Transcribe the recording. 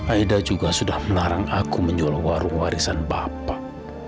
aida juga sudah melarang aku menjual warung warisan bapak